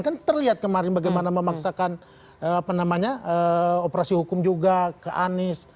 kan terlihat kemarin bagaimana memaksakan operasi hukum juga ke anies